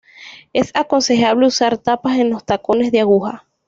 Es aconsejable usar tapas en los tacones de aguja.